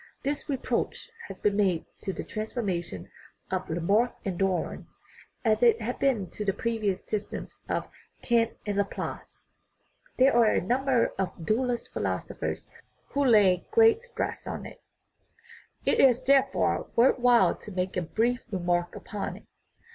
This reproach has been made to the transformism of La marck and Darwin, as it had been to the previous systems of Kant and Laplace ; there are a number of dualist philosophers who lay great stress on it. It is, therefore, worth while to make a brief remark upon it.